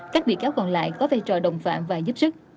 các bị cáo còn lại có vai trò đồng phạm và giúp sức